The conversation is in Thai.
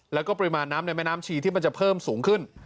แล้วก็ปริมาณน้ำในแม่น้ำชีที่มันจะเพิ่มสูงขึ้น